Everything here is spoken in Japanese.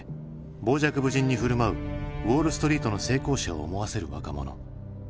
傍若無人に振る舞うウォールストリートの成功者を思わせる若者。